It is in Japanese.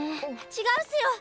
違うっすよ。